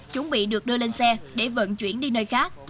chuẩn bị được đưa lên xe để vận chuyển đi nơi khác